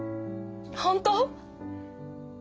本当？